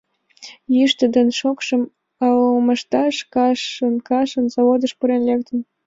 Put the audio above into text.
Йӱштӧ ден шокшым алмашташ кашын-кашын заводыш пурен лектыт.